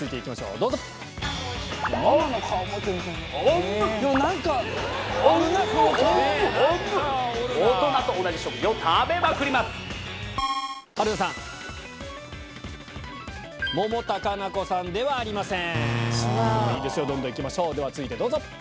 どんどん行きましょう続いてどうぞ。